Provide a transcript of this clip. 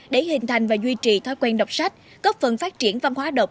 để hình thành và duy trì thói quen đọc sách góp phần phát triển văn hóa đọc